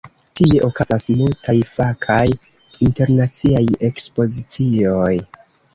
Tie okazas multaj fakaj internaciaj ekspozicioj.